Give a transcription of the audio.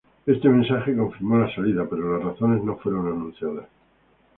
Este mensaje confirmó la salida, pero las razones no fueron anunciadas.